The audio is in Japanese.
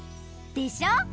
でしょ？